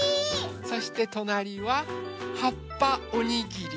そしてとなりははっぱおにぎり。